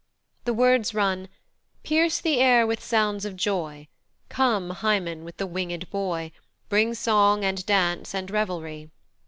The words run, "Pierce the air with sounds of joy, Come Hymen with the winged boy, Bring song and dance and revelry."